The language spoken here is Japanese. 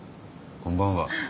こんばんは。